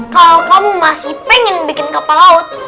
kalau kamu masih pengen bikin kapal laut